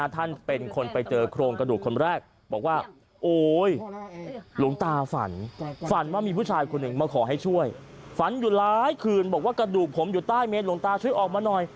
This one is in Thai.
ท่านเป็นคนไปเจองโครงกระดูกคนแรก